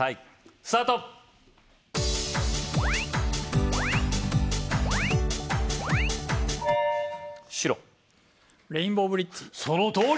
スタート白レインボーブリッジそのとおり